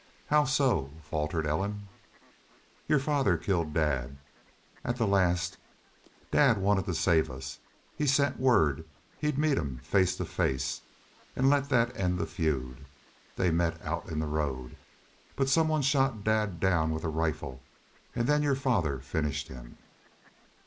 "How so?" faltered Ellen. "Your father killed dad.... At the last dad wanted to save us. He sent word he'd meet him face to face an' let thet end the feud. They met out in the road.... But some one shot dad down with a rifle an' then your father finished him."